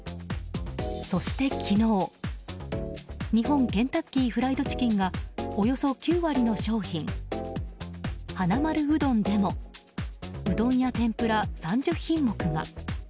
そして昨日日本ケンタッキー・フライド・チキンがおよそ９割の商品。はなまるうどんでもうどんやてんぷら３０品目が。